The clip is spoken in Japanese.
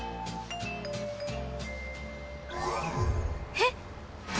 えっ？